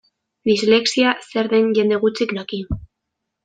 Dislexia zer den jende gutxik daki.